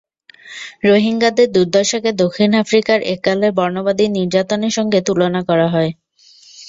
রোহিঙ্গাদের দুর্দশাকে দক্ষিণ আফ্রিকার এককালের বর্ণবাদী নির্যাতনের সঙ্গে তুলনা করা হয়।